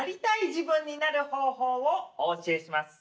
自分になる方法をお教えします。